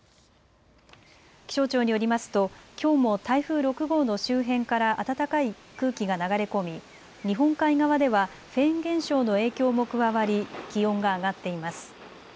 気象庁によりますときょうも台風６号の周辺から暖かい空気が流れ込み、日本海側ではフェーン現象の影響も加わり気温が上がっています。